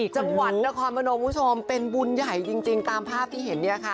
จังหวัดนครพนมคุณผู้ชมเป็นบุญใหญ่จริงตามภาพที่เห็นเนี่ยค่ะ